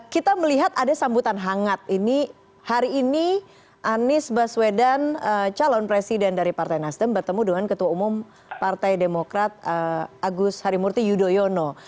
kita melihat ada sambutan hangat ini hari ini anies baswedan calon presiden dari partai nasdem bertemu dengan ketua umum partai demokrat agus harimurti yudhoyono